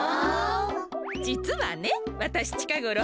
じつはねわたしちかごろ